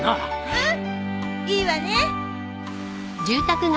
うんいいわね。